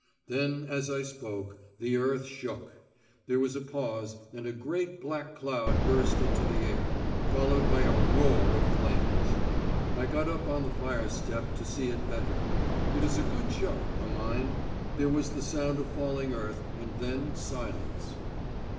Then, as I spoke, the earth shook; there was a pause, and a great black cloud burst into the air, followed by a roar of flames. I got up on the fire step to see it better. It is a good show, a mine. There was the sound of falling earth, and then silence.